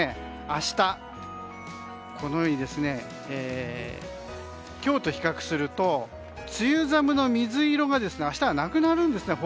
明日はこのように今日と比較すると梅雨寒の水色が明日はほぼなくなるんですね。